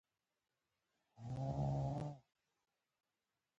دا راډیو سي بي سي نومیږي